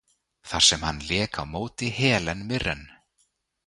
þar sem hann lék á móti Helen Mirren.